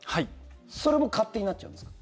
それも勝手になっちゃうんですか？